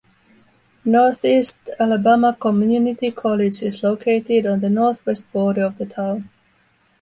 Northeast Alabama Community College is located on the northwest border of the town.